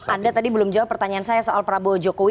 anda tadi belum jawab pertanyaan saya soal prabowo jokowi